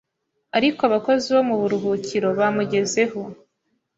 ariko abakozi bo mu buruhukiro bamugezeho